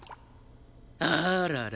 あらら。